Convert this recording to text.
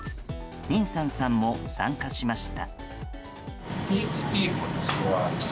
ニンサンさんも参加しました。